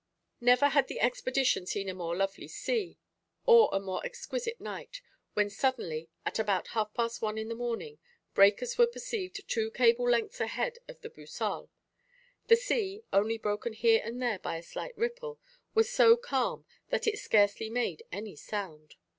Never had the expedition seen a more lovely sea, or a more exquisite night, when suddenly, at about half past one in the morning, breakers were perceived two cable lengths ahead of the Boussole. The sea, only broken here and there by a slight ripple, was so calm that it scarcely made any sound.